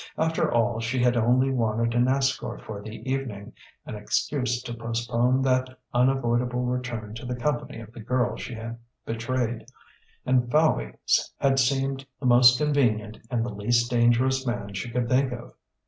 After all, she had only wanted an escort for the evening, an excuse to postpone that unavoidable return to the company of the girl she had betrayed; and Fowey had seemed the most convenient and the least dangerous man she could think of.